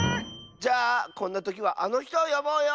じゃあこんなときはあのひとをよぼうよ！